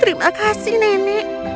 terima kasih nenek